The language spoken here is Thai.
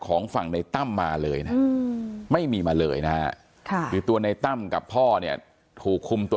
น้องจ้อยนั่งก้มหน้าไม่มีใครรู้ข่าวว่าน้องจ้อยเสียชีวิตไปแล้ว